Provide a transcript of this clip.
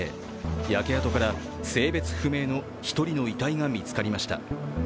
焼け跡から性別不明の１人の遺体が見つかりました。